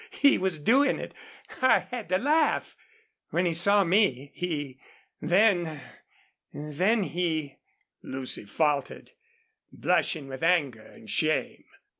He was doing it. I had to laugh. When he saw me he then then he " Lucy faltered, blushing with anger and shame.